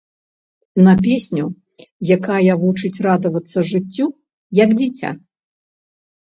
На песню, якая вучыць радавацца жыццю як дзіця.